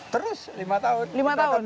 terus lima tahun